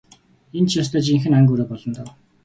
Энэ ч ёстой жинхэнэ ан гөрөө болно доо.